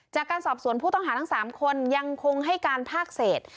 จากการสอบสวนผู้ต้องหาทั้ง๓คนยังคงให้การภาคเศษ